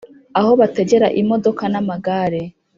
Aho bategera imodoka n’amagare